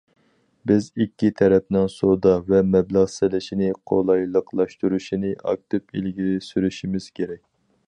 بىز ئىككى تەرەپنىڭ سودا ۋە مەبلەغ سېلىشىنى قولايلىقلاشتۇرۇشنى ئاكتىپ ئىلگىرى سۈرۈشىمىز كېرەك.